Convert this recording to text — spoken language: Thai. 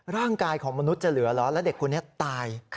ร่างกายของมนุษย์จะเหลือเหรอแล้วเด็กคนนี้ตาย